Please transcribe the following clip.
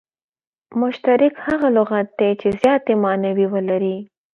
مشترک هغه لغت دئ، چي زیاتي ماناوي ولري.